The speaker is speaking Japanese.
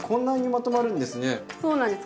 そうなんです